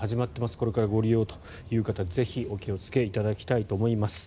これからご利用という方ぜひお気をつけいただきたいと思います。